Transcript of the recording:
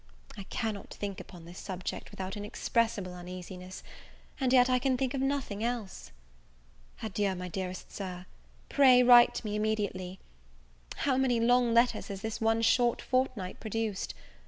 I cannot thimk upon this subject without inexpressible uneasiness; and yet I can think of nothing else. Adieu, my dearest Sir. Pray write to me immediately. How many long letters has this one short fortnight produced!